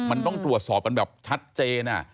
มันต้องตรวจสอบกันแบบชัดเจน